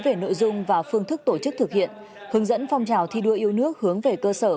về nội dung và phương thức tổ chức thực hiện hướng dẫn phong trào thi đua yêu nước hướng về cơ sở